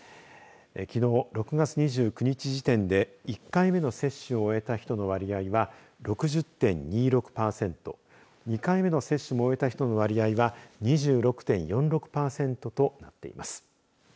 きのう６月２９日時点で１回目の接種を終えた人の割合は６０．２６パーセント２回目の接種も終えた人の割合は２６．４６パーセントとなっています。